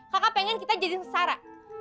kakak pengen kita jadi sesara